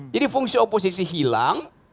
jadi fungsi oposisi hilang